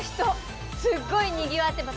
すっごいにぎわってます！